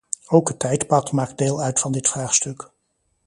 Ook het tijdpad maakt deel uit van dit vraagstuk.